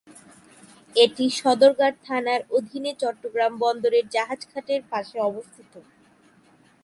এটি সদরঘাট থানার অধীনে চট্টগ্রাম বন্দরের জাহাজ-ঘাটের পাশে অবস্থিত।